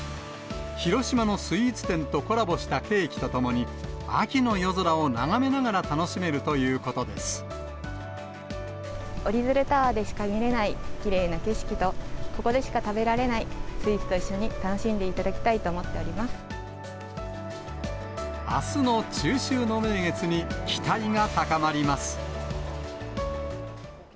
広島のスイーツ店とコラボしたケーキとともに、秋の夜空を眺めなおりづるタワーでしか見れないきれいな景色と、ここでしか食べられないスイーツと一緒に楽しんでいただきたいとあすの中秋の名月に期待が高まります。